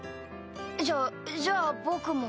じゃじゃあ僕も。